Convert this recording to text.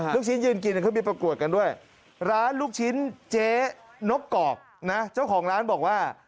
ลูกชิ้นยืนกินเขามีประกวดกันด้วยร้านลูกชิ้นเจ๊นกกอกนะเจ้าของร้านบอกว่า